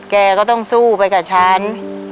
แกก็ต้องสู้ไปกับฉัน